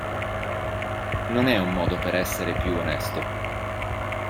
Non è un modo per essere più onesto.